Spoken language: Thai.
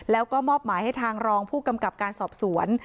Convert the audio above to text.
แล้วก็มอบหมายให้ทางรองผู้กำกับการสอบสวน